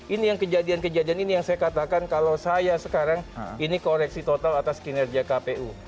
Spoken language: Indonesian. ini yang kejadian kejadian ini yang saya katakan kalau saya sekarang ini koreksi total atas kinerja kpu